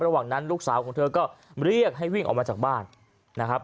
ระหว่างนั้นลูกสาวของเธอก็เรียกให้วิ่งออกมาจากบ้านนะครับ